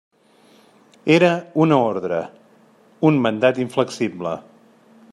Era una ordre, un mandat inflexible.